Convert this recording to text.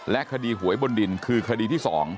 คดีหวยบนดินคือคดีที่๒